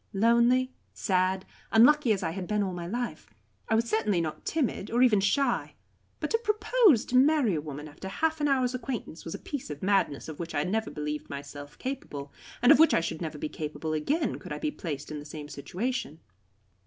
Lonely, sad, unlucky as I had been all my life, I was certainly not timid, nor even shy. But to propose to marry a woman after half an hour's acquaintance was a piece of madness of which I never believed myself capable, and of which I should never be capable again, could I be placed in the same situation.